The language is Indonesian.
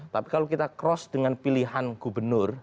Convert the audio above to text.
tapi kalau kita cross dengan pilihan gubernur